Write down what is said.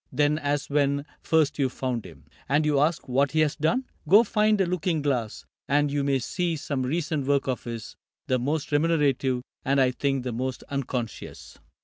Then as when first you found him. And you ask What he has done ! Go find a looking glass And you may see some recent work of his — The most remunerative, and I think The most unconscious."